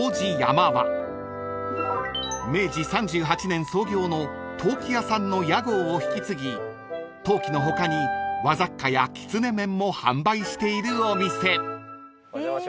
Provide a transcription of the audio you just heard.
［明治３８年創業の陶器屋さんの屋号を引き継ぎ陶器の他に和雑貨や狐面も販売しているお店］お邪魔します。